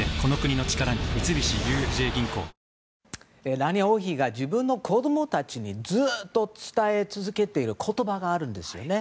ラーニア王妃が自分の子供たちにずっと伝え続けている言葉があるんですよね。